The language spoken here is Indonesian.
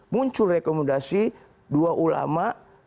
muncul rekomendasi dua ulama